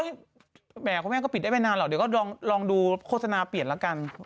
แหมคุณแม่ก็ปิดได้ไม่นานหรอกเดี๋ยวก็ลองดูโฆษณาเปลี่ยนแล้วกัน